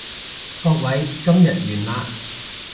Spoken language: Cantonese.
各位，今日完啦